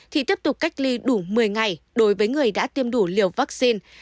thì tiếp tục cách ly đủ một mươi ngày đối với người đã tiêm đủ liều vaccine